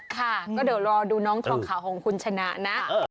ค่ะก็เดี๋ยวรอดูน้องทองขาวของคุณชนะนะ